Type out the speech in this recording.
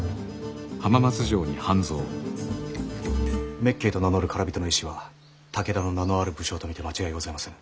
滅敬と名乗る唐人の医師は武田の名のある武将と見て間違いございませぬ。